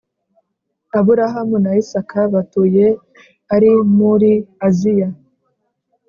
Aburahamu na Isaka batuye ari muri aziya